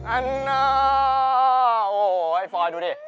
อันนาโอ้ไอ้ฟอยดูดิ